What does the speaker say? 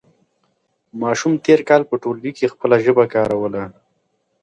ماشوم تېر کال په ټولګي کې خپله ژبه کاروله.